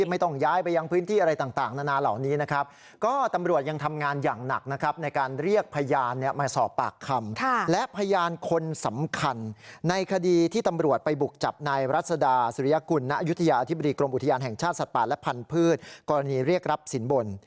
อุทยานแห่งชาติสัตว์ป่านและพันธุ์พืชกรณีเรียกรับสินบ่น